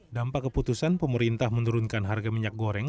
dampak keputusan pemerintah menurunkan harga minyak goreng